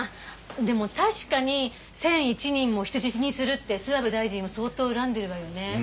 でも確かに１００１人も人質にするって諏訪部大臣を相当恨んでるわよね。